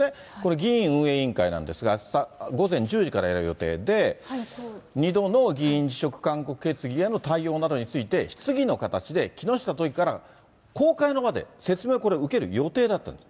議院運営委員会なんですが、あした午前１０時からやる予定で、２度の議員辞職勧告決議への対応などについて、質疑の形で、木下都議から公開の場で説明をこれ、受ける予定だったんです。